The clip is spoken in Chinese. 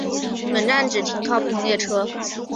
本站只停靠普通列车。